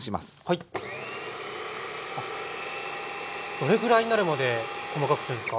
どれぐらいになるまで細かくするんですか？